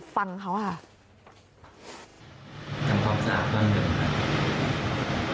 ฟังเขาค่ะทำความสะอาดบ้านเมืองค่ะ